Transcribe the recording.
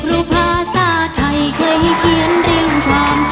รู้ภาษาไทยเคยให้เขียนเรียงความ